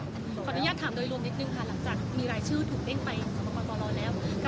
ถกวามิโชว์กร